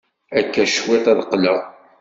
Akka cwiṭ ad d-qqleɣ.